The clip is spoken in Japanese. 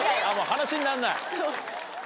話になんない？